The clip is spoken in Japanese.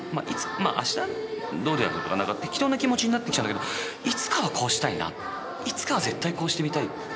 「あした」とか適当な気持ちになってきちゃうんだけどいつかはこうしたいないつかは絶対こうしてみたい。